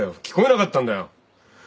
聞こえなかったんだよ。